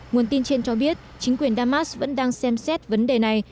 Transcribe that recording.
nguồn tin trên cho biết chính quyền damas vẫn đang xem xét vấn đề này